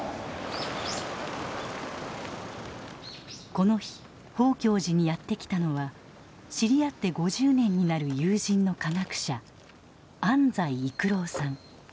この日宝鏡寺にやって来たのは知り合って５０年になる友人の科学者安斎育郎さん。